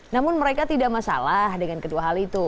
namun mereka tidak masalah dengan kedua hal itu